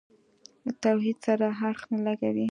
توحید سره اړخ نه لګوي.